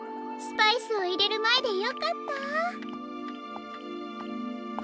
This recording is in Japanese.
スパイスをいれるまえでよかった。